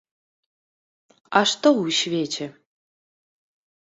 А што ў свеце?